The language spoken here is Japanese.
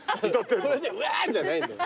これで「うわ」じゃないんだよ。